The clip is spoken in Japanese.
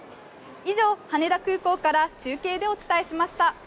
以上、羽田空港から中継でお伝えしました。